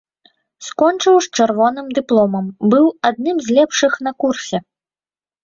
Скончыў з чырвоным дыпломам, быў адным з лепшых на курсе.